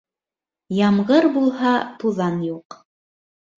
Ямғыр булһа, туҙан юҡ.